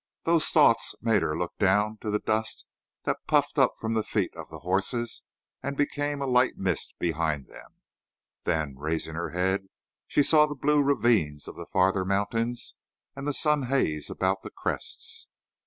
Those thoughts made her look down to the dust that puffed up from the feet of the horses and became a light mist behind them; then, raising her head, she saw the blue ravines of the farther mountains and the sun haze about the crests.